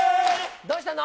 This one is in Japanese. どうしたの？